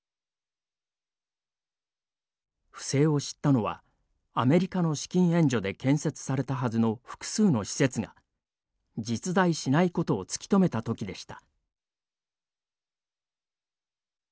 不正を知ったのはアメリカの資金援助で建設されたはずの複数の施設が実在しないことを突き止めたときでした。